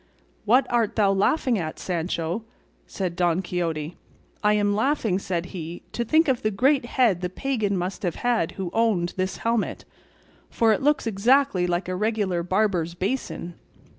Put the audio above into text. "What art thou laughing at, Sancho?" said Don Quixote. "I am laughing," said he, "to think of the great head the pagan must have had who owned this helmet, for it looks exactly like a regular barber's basin."